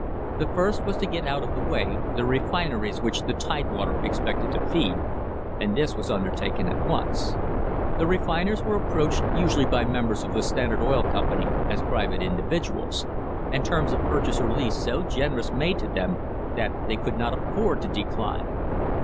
The first was to get out of the way the refineries which the Tidewater expected to feed, and this was undertaken at once. The refiners were approached usually by members of the Standard Oil Company as private individuals, and terms of purchase or lease so generous made to them that they could not afford to decline.